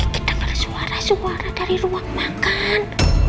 kita dengar suara suaranya dari ruang makan